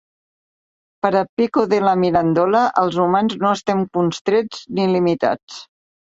Per a Pico della Mirandola, els humans no estem constrets ni limitats.